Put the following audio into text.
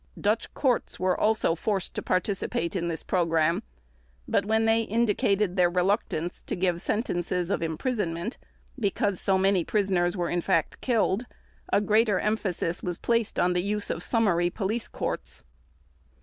Dutch courts were also forced to participate in this program, but when they indicated their reluctance to give sentences of imprisonment because so many prisoners were in fact killed, a greater emphasis was placed on the use of summary police courts.